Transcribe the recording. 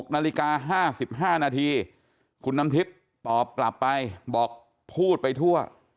๖นาฬิกา๕๕นาทีคุณน้ำทิพย์ตอบกลับไปบอกพูดไปทั่ว